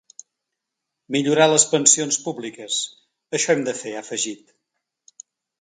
Millorar les pensions públiques: això hem de fer, ha afegit.